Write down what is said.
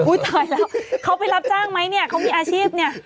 ตายแล้วเขาไปรับจ้างไหมเนี่ยเขามีอาชีพเนี่ย